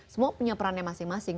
semua punya perannya masing masing